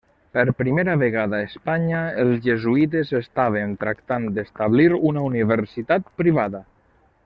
Per primera vegada a Espanya, els jesuïtes estaven tractant d'establir una universitat privada.